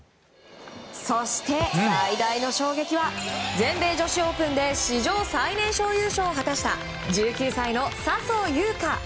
そして最大の衝撃は全米女子オープンで史上最年少優勝を果たした１９歳の笹生優花。